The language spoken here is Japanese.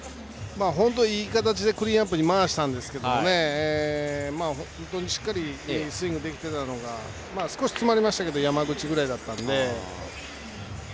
いい形でクリーンナップに回したんですが本当にしっかりとスイングできていたのが少し詰まりましたけども山口ぐらいだったので。